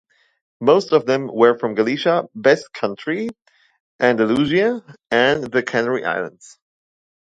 Most of them were from Galicia, Basque Country, Andalusia and the Canary Islands.